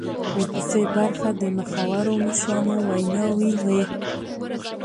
ورپسې برخه د مخورو مشرانو ویناوي وې.